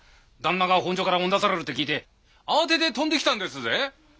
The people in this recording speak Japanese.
旦那が本所から追ん出されるって聞いて慌てて飛んできたんですぜ。